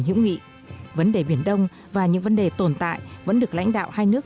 hữu nghị vấn đề biển đông và những vấn đề tồn tại vẫn được lãnh đạo hai nước